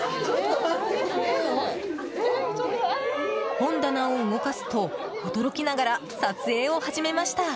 本棚を動かすと驚きながら撮影を始めました。